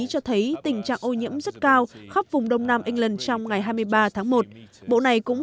cho thấy tình trạng ô nhiễm rất cao khắp vùng đông nam england trong ngày hai mươi ba tháng một bộ này cũng